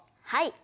はい。